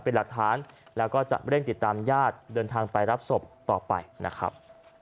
เป็นหลักฐานแล้วก็จะเร่งติดตามญาติเดินทางไปรับศพต่อไปนะครับ